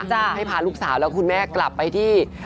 ให้พาลูกสาวและคุณแม่กลับไปที่